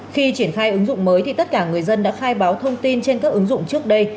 khi triển khai ứng dụng mới thì tất cả người dân đã khai báo thông tin trên các ứng dụng trước đây